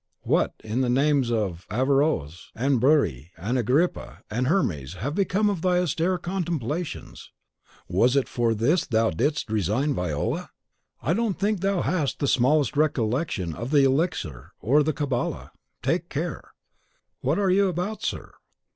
What, in the names of Averroes and Burri and Agrippa and Hermes have become of thy austere contemplations? Was it for this thou didst resign Viola? I don't think thou hast the smallest recollection of the elixir or the Cabala. Take care! What are you about, sir?